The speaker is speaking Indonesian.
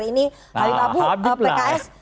ini habib abu pks